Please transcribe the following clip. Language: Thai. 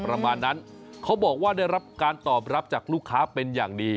ประมาณนั้นเขาบอกว่าได้รับการตอบรับจากลูกค้าเป็นอย่างดี